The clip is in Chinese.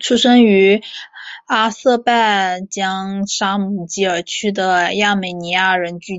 出生于阿塞拜疆沙姆基尔区的亚美尼亚人聚居的。